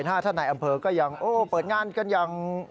ถ้านายอำเภอก็ยังโอ้โฮเปิดงานกันยัง